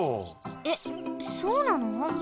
えっそうなの？